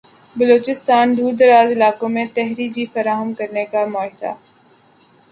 بلوچستان دوردراز علاقوں میں تھری جی فراہم کرنے کا معاہدہ